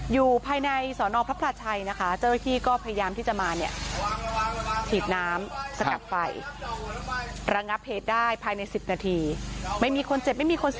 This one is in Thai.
อยู่ภายในสอนอพรับพลาดชัยนะคะเจ้าอาทิก็พยายามที่จะมาเนี้ย